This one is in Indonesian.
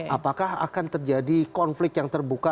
apakah akan terjadi konflik yang terbuka